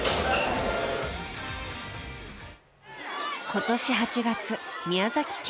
今年８月、宮崎県。